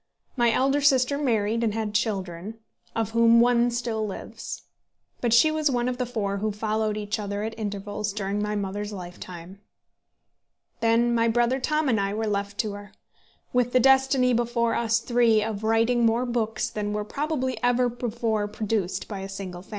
My elder sister married, and had children, of whom one still lives; but she was one of the four who followed each other at intervals during my mother's lifetime. Then my brother Tom and I were left to her, with the destiny before us three of writing more books than were probably ever before produced by a single family.